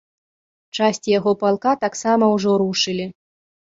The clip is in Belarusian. Часці яго палка таксама ўжо рушылі.